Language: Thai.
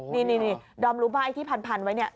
นี่ดอมรู้ป่ะไอ้ที่พันไว้เนี่ย